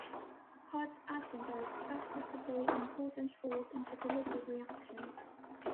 Hot atoms are expected to play important roles in catalytic reactions.